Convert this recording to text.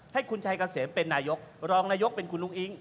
ให้คุณชัยเกษมเป็นนายกรองนายกเป็นคุณอุ้งอิ๊ง